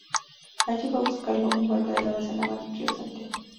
Allí fue a buscarlos un barco de la Base Naval Río Santiago.